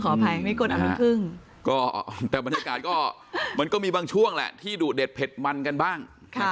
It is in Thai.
ก็มันก็มีบางช่วงแหละที่ดูเด็ดเผ็ดมันกันบ้าง